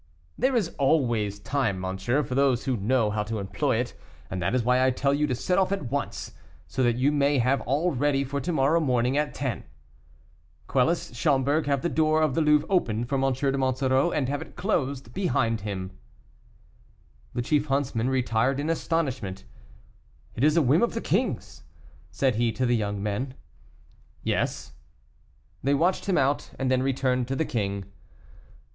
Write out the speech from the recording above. "There is always time, monsieur, for those who know how to employ it; that is why I tell you to set off at once, so that you may have all ready for to morrow morning at ten. Quelus, Schomberg, have the door of the Louvre opened for M. de Monsoreau, and have it closed behind him." The chief huntsman retired in astonishment. "It is a whim of the king's," said he to the young men. "Yes." They watched him out, and then returned to the king.